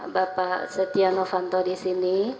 bapak setia novanto disini